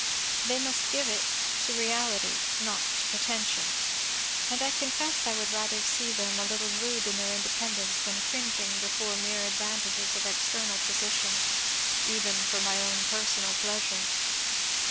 They must give it to reality, not to pretension. And I confess I would rather see them a little rude in their independence than cringing before mere advantages of external position; even for my own personal pleasure."